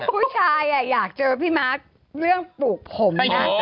ผู้ชายอยากเจอพี่มาร์คเรื่องปลูกผมนะ